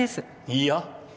いいや。